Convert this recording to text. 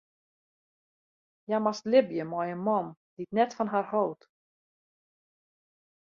Hja moast libje mei in man dy't net fan har hold.